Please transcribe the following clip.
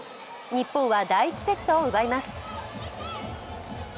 日本は第１セットを奪います。